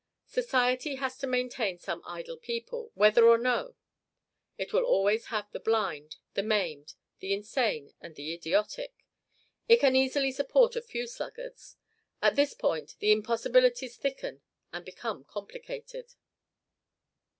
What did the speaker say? Society has to maintain some idle people, whether or no. It will always have the blind, the maimed, the insane, and the idiotic. It can easily support a few sluggards. At this point, the impossibilities thicken and become complicated.